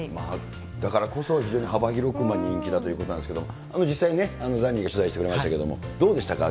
だからこそ、非常に幅広く人気だということなんですけれども、実際にザニーに取材してもらいましたけれども、どうでしたか。